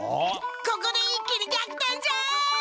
ここで一気にぎゃく転じゃい！